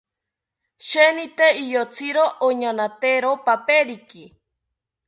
Sheeni tee iyotziro oñaanatero paperiki